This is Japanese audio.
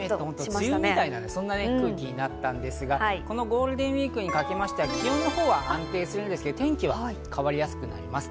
梅雨みたいな空気になったんですが、このゴールデンウイークにかけましては気温のほうは安定するんですけど、天気は変わりやすくなります。